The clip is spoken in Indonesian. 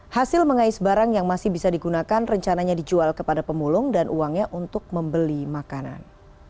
hasil mengais barang yang masih bisa digunakan rencananya dijual kepada pemulung dan uangnya untuk membeli makanan